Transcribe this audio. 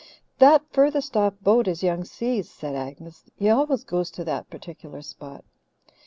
"That furthest off boat is Young Si's," said Agnes. "He always goes to that particular spot."